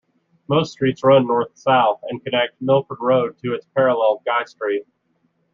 Most streets run N-S and connect Milford road to its parallel: Guy Street.